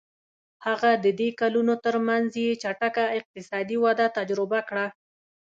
هغه د دې کلونو ترمنځ یې چټکه اقتصادي وده تجربه کړه.